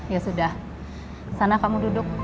ya sudah sana kamu duduk